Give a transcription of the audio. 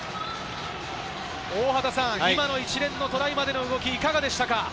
今の一連のトライまでの動き、いかがでしたか？